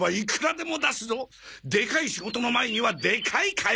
でかい仕事の前にはでかい買い物だ！